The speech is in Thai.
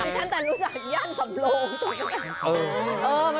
ฉันแต่รู้จักย่านสำโรง